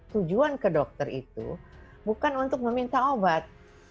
tujuan ke dokter itu bukan untuk meminta obat